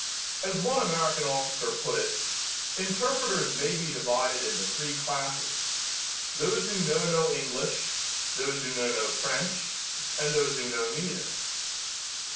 As one American officer put it, "Interpreters may be divided into three classes: those who know no English; those who know no French; and those who know neither."